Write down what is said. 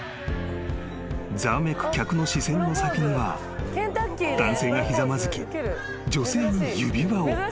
［ざわめく客の視線の先には男性がひざまずき女性に指輪を］